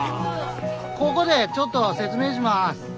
こごでちょっと説明します。